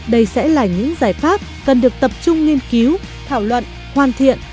đây sẽ là những giải pháp cần được tập trung nghiên cứu thảo luận hoàn thiện